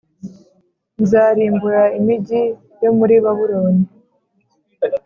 Nzarimbura imigi yo mu ri babuloni